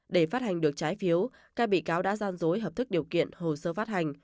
để phát hành được trái phiếu các bị cáo đã gian dối hợp thức điều kiện hồ sơ phát hành